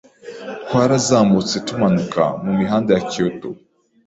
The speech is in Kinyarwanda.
Twarazamutse tumanuka mumihanda ya Kyoto.